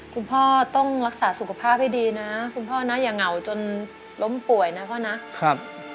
ขอรักษาสุขภาพให้ดีนะขออย่างเหงาจนล้มป่วยนะพ่อนะ